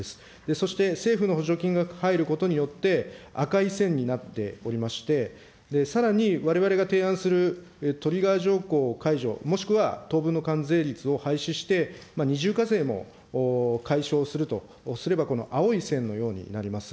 そして、政府の補助金が入ることによって、赤い線になっておりまして、さらにわれわれが提案するトリガー条項解除、もしくは当分の関税率を廃止して、二重課税も解消するとすればこの青い線のようになります。